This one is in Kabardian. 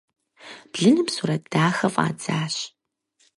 Блыным сурэт дахэ фӀадзащ.